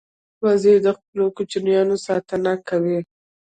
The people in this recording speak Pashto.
وزې د خپلو کوچنیانو ساتنه کوي